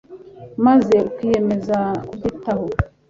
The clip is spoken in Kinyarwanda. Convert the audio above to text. maze ukiyemeza kubyitaho